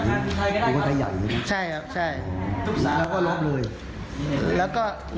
ใช่ครับใช่แล้วก็รับเลย